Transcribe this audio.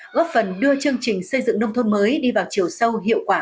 góp phần đưa chương trình xây dựng nông thôn mới đi vào chiều sâu hiệu quả